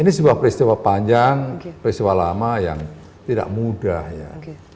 ini sebuah peristiwa panjang peristiwa lama yang tidak mudah ya